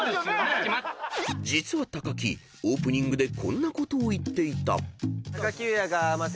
［実は木オープニングでこんなことを言っていた］